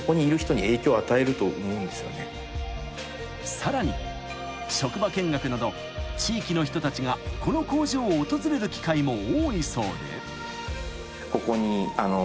［さらに職場見学など地域の人たちがこの工場を訪れる機会も多いそうで］